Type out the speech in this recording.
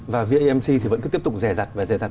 và vamc thì vẫn cứ tiếp tục rè rặt và rè rặt